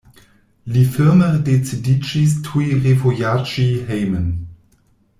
Li firme decidiĝis tuj revojaĝi hejmen.